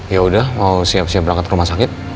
ya udah mau siap siap berangkat ke rumah sakit